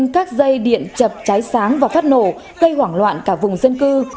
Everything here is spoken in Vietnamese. cháy sáng và phát nổ gây hoảng loạn cả vùng dân cư